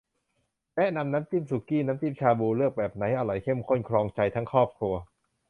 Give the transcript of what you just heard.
แนะนำน้ำจิ้มสุกี้ น้ำจิ้มชาบู เลือกแบบไหนอร่อยเข้มข้นครองใจทั้งครอบครัว